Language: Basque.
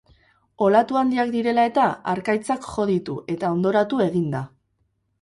Olatu handiak direla eta, harkaitzak jo ditu eta hondoratu egin da.